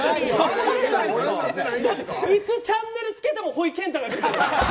いつチャンネルつけてもほいけんたが出てる。